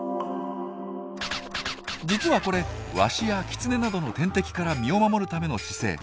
実はこれワシやキツネなどの天敵から身を守るための姿勢。